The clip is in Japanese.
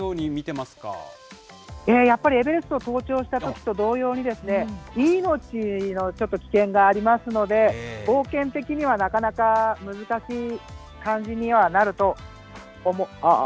いややっぱりエベレストを登頂したときと一緒に命のちょっと危険がありますので、冒険的にはなかなか難しい感じにはなると、ああ。